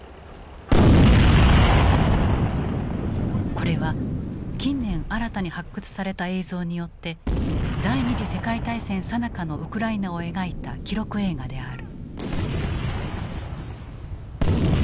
これは近年新たに発掘された映像によって第二次大戦さなかのウクライナを描いた記録映画である。